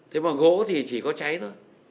thế mà gỗ thì chỉ có cháy thôi